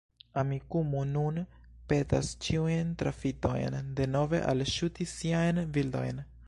Amikumu nun petas ĉiujn trafitojn denove alŝuti siajn bildojn.